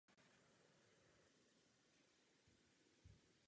Film zachycuje zákulisí filmové gay pornografie v České republice.